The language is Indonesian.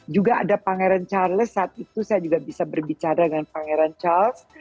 juga ada pangeran charles saat itu saya juga bisa berbicara dengan pangeran charles